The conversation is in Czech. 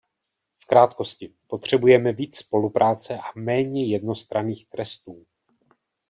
V krátkosti, potřebujeme víc spolupráce a méně jednostranných trestů.